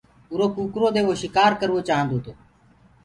اُرو ڪٚڪَرو دي وو شڪآر ڪروآوو چآهندو تو۔